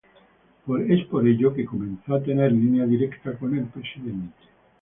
Es por ello que comenzó a tener línea directa con el presidente.